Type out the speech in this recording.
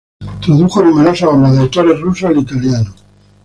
Tradujo numerosas obras de autores rusos al italiano.